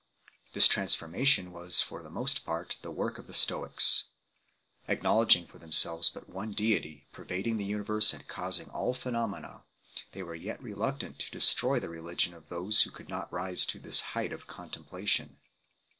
This transformation was for the most part the work of the Stoics. Acknowledging for themselves but one deity, pervading the universe and causing all phenomena, they were yet reluctant to destroy the religion of those who could not rise to this height of contemplation.